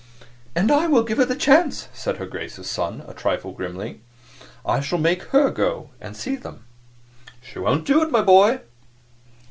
"I will give her a chance," said her Grace's son, a trifle grimly. "I shall make her go and see them." "She won't do it, my boy."